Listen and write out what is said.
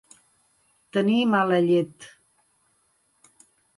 Tenir mala llet.